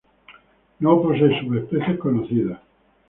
No posee subespecies conocidas.